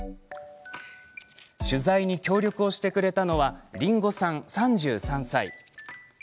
取材に協力をしてくれたのはりんごさん、３３歳。